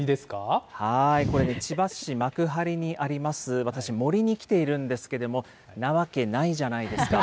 これね、千葉市幕張にあります、私、森に来ているんですけども、なわけないじゃないですか。